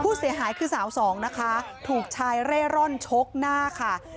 ผู้เสียหายคือสาวสองนะคะถูกชายเร่ร่อนชกหน้าค่ะ